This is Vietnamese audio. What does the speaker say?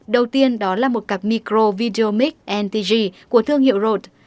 đầu tiên đó là một cặp micro videomic ntg của thương hiệu rode